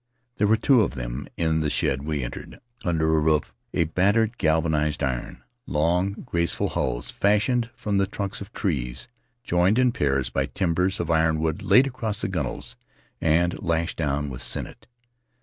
There were two of them in the shed we entered, under a roof of battered galvanized iron — long, grace ful hulls fashioned from the trunks of trees, joined in pairs by timbers of ironwood laid across the gunwales and lashed down with sinnet.